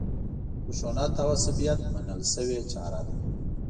خشونت او عصبیت منل شوې چاره ده.